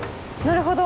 なるほど。